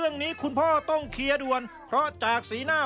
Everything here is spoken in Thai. สุดท้ายของพ่อต้องรักมากกว่านี้ครับ